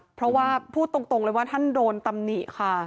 เพราะว่าพูดตรงเลยว่าท่านโดนตำหนิค่ะ